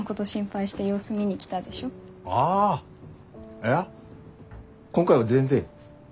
いや今回は全然。